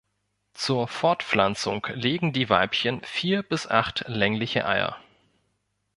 Zur Fortpflanzung legen die Weibchen vier bis acht längliche Eier.